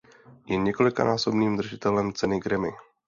Je několikanásobným držitelem ceny Grammy.